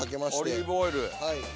オリーブオイルはい。